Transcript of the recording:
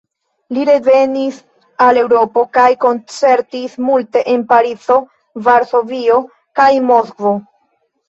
Li revenis al Eŭropo kaj koncertis multe en Parizo, Varsovio kaj Moskvo.